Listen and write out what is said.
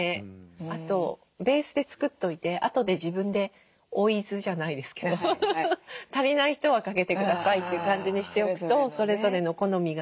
あとベースで作っといてあとで自分で追い酢じゃないですけど足りない人はかけてくださいっていう感じにしておくとそれぞれの好みが。